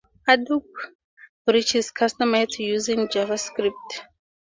Adobe Bridge is customizable using JavaScript.